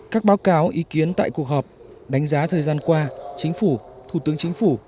các báo cáo ý kiến tại cuộc họp đánh giá thời gian qua chính phủ thủ tướng chính phủ